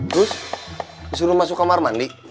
terus disuruh masuk kamar mandi